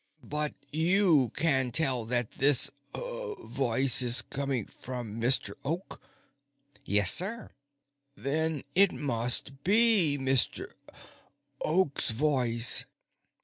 "But you can tell that this voice is coming from Mr. Oak?" "Yes, sir." "Then it must be Mr. Oak's voice."